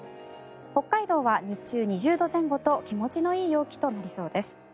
北海道は日中２０度前後と気持ちのいい陽気となりそうです。